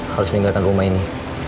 harus meninggalkan rumah ini